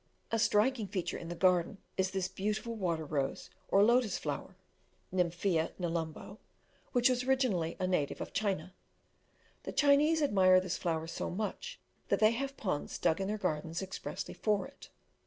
A striking feature in the garden is this beautiful water rose, or lotus flower (nymphaea nelumbo), which was originally a native of China. The Chinese admire this flower so much, that they have ponds dug in their gardens expressly for it.